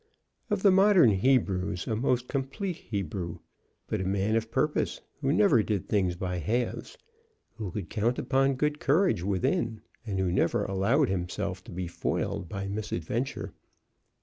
Of the modern Hebrews a most complete Hebrew; but a man of purpose, who never did things by halves, who could count upon good courage within, and who never allowed himself to be foiled by misadventure.